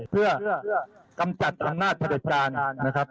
เกือบกระบวนการประชาธิปไตยเพื่อกำจัดอำนาจพลัทธิปันดี้นะครับ